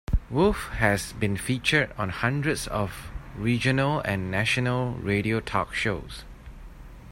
Wolfe has been featured on hundreds of regional and national radio talk shows.